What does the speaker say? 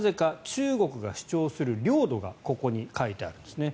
中国が主張する領土がここに描いてあるんですね。